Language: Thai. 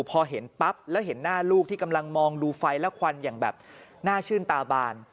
พอเห็นปั๊บแล้วเห็นหน้าลูกที่กำลังมองดูไฟและควันอย่างแบบน่าชื่นตาบาน